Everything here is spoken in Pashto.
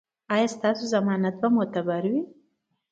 ایا ستاسو ضمانت به معتبر وي؟